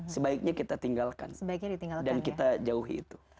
sebaiknya kita tinggalkan dan kita jauhi itu